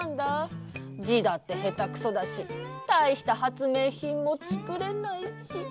じだってへたくそだしたいしたはつめいひんもつくれないし。